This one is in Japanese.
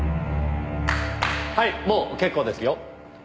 はいもう結構ですよ。